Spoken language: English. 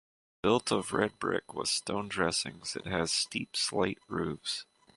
Built of red brick with stone dressings it has steep slate roofs.